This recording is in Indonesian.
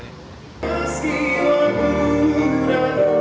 dan menang sampai ke akhir